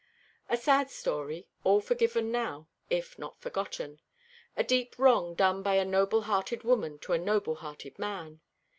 A sad story, all forgiven now, if not forgotten. A deep wrong done by a noble hearted woman to a noble hearted man.